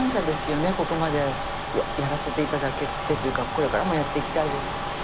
ここまでやらせていただけてというかこれからもやっていきたいですし。